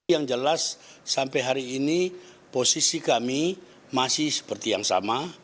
yang jelas sampai hari ini posisi kami masih seperti yang sama